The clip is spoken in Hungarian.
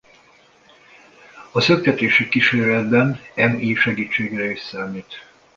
A szöktetési kísérletben Mi segítségére is számít.